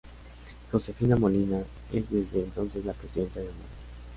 Josefina Molina es desde entonces la Presidenta de honor.